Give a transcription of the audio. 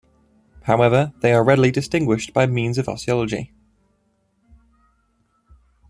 However, they are readily distinguished by means of osteology.